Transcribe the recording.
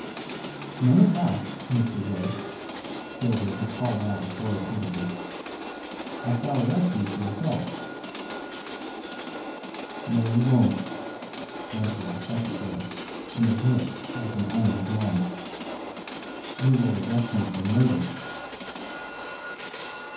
"None of that, Mr. Royce," Gilder had called out authoritatively. "I shall arrest you for assault." "No, you won't," answered the secretary in a voice like an iron gong, "you will arrest me for murder."